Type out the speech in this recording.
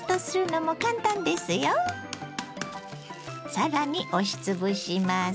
更に押しつぶします。